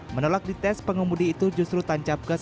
menolak di tes pengemudi itu justru tancap gas